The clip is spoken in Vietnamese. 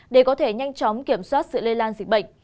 để có thể nhanh chóng kiểm soát sự lây lan dịch bệnh